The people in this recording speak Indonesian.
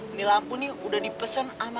ini lampu ini sudah dipesen sama reva